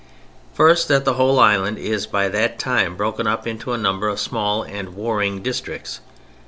First, that the whole island is by that time broken up into a number of small and warring districts.